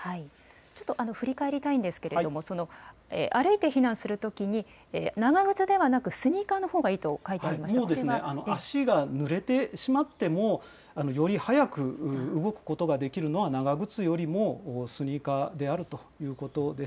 ちょっと、振り返りたいんですけれども、歩いて避難するときに、長靴ではなく、スニーカーのほうがいいと書いてありました、足がぬれてしまっても、より速く動くことができるのは、長靴よりもスニーカーであるということです。